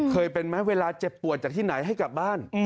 เคยเป็นไหมเวลาเจ็บปวดจากที่ไหนให้กลับบ้าน